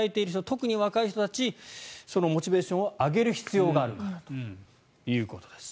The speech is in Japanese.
特に若い人たちのモチベーションを上げる必要があるからということです。